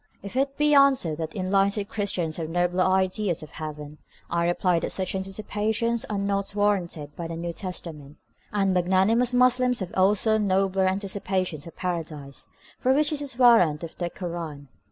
If it be answered that enlightened Christians have nobler ideas of heaven, I reply that such anticipations are not warranted by the New Testament, and that magnanimous Muslims have also nobler anticipations of paradise, for which there is warrant in the Kur ân.